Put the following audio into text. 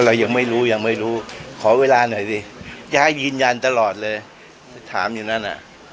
เรายังไม่รู้ยังไม่รู้ขอเวลาหน่อยสิยายยืนยันตลอดเลยที่ถามอยู่นั่นอ่ะ